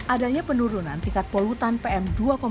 adanya penurunan tingkat polutan pm dua lima